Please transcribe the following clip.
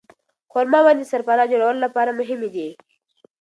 خورما ونې د سرپناه جوړولو لپاره هم مهمې دي.